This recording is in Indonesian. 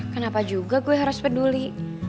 kenapa juga gue harus peduli